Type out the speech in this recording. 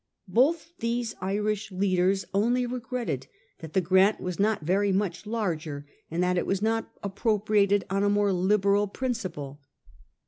Both these Irish leaders only re gretted that the grant was not very much larger, and that it was not appropriated on a more liberal prin ciple.